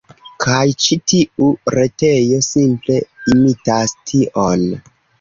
Kaj ĉi tiu retejo, simple imitas tion.